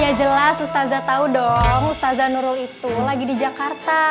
ya jelas ustazah tahu dong mustaza nurul itu lagi di jakarta